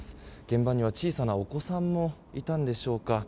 現場には小さなお子さんもいたんでしょうか。